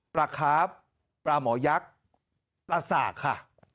ประคาบประหมอยักษ์ประศาสตร์ค่ะ